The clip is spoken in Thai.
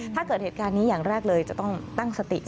ถ้าเกิดเหตุการณ์นี้อย่างแรกเลยจะต้องตั้งสติ